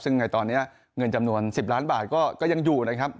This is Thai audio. ซึ่งในตอนนี้เงินจำนวน๑๐ล้านบาทก็ยังอยู่นะครับ